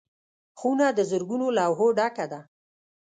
خونه د زرګونو لوحو ډکه ده.